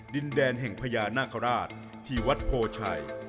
ดินแดนแห่งพญานาคาราชที่วัดโพชัย